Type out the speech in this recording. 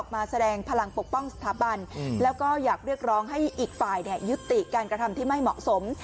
มาแสดงพลังปกป้องสถาบันแล้วก็อยากเรียกร้องให้อีกฝ่ายยุติการกระทำที่ไม่เหมาะสม